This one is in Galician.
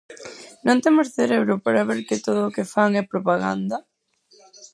¿Non temos cerebro para ver que todo o que fan é propaganda?